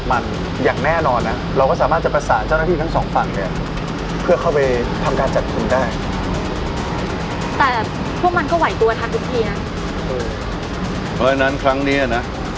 เพราะฉะนั้นครั้งนี้นะ